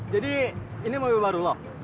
jadi ini mobil baru loh